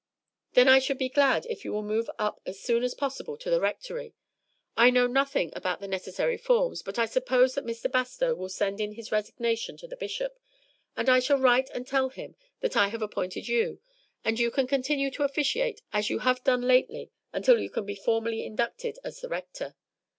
"Then I should be glad if you will move up as soon as possible to the Rectory. I know nothing about the necessary forms, but I suppose that Mr. Bastow will send in his resignation to the Bishop, and I shall write and tell him that I have appointed you, and you can continue to officiate as you have done lately until you can be formally inducted as the Rector.